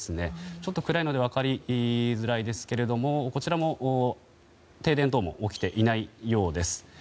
ちょっと暗いので分かりづらいですがこちらも、停電等も起きていないようです。